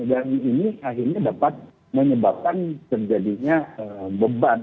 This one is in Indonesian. dan ini akhirnya dapat menyebabkan terjadinya beban